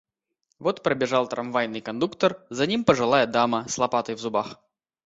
Вот пробежал трамвайный кондуктор, за ним пожилая дама с лопатой в зубах.